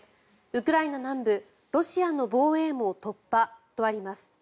ウクライナ南部ロシアの防衛網突破とあります。